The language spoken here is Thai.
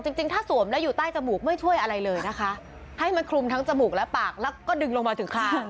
จริงจริงถ้าสวมแล้วอยู่ใต้จมูกไม่ช่วยอะไรเลยนะคะให้มันคลุมทั้งจมูกและปากแล้วก็ดึงลงมาถึงข้าง